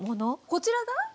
こちらが？